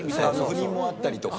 不倫もあったりとか。